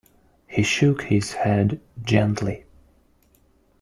He shook his head gently.